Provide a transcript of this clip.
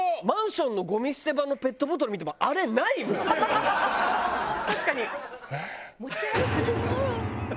マンションのゴミ捨て場のペットボトル見てもあれないもん。